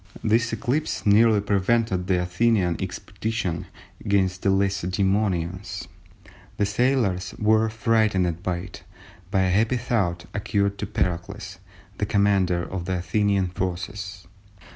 This eclipse nearly prevented the Athenian expedition against the Lacedæmonians. The sailors were frightened by it, but a happy thought occurred to Pericles, the commander of the Athenian forces.